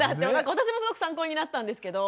私もすごく参考になったんですけど。